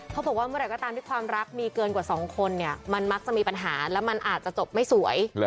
เขาบอกว่าเมื่อไหร่ก็ตามที่ความรักมีเกินกว่า๒คนเนี่ยมันมักจะมีปัญหาและมันอาจจะจบไม่สวย